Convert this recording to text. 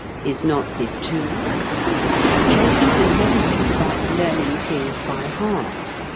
(Is not this true?) He will even hesitate about learning things by heart.